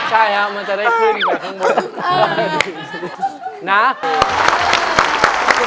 ใช่ครับมันจะได้ขึ้น